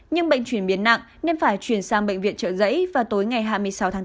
nhưng bệnh chuyển biến nặng nên phải chuyển sang bệnh viện trợ giấy vào tối ngày hai mươi sáu tháng bốn